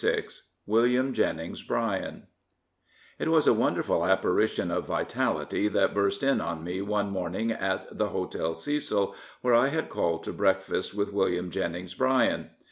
297 WILLIAM JENNINGS BRYAN It was a wonderful apgarjtion of vitality that burst in on me one morning at the Hotel Cecil, where I had called to breakfast with William Jennings Bryan.